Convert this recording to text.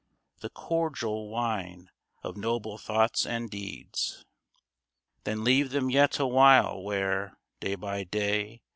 The cordial wine of noble thoughts and deedso Then leave them yet awhile where, day by day.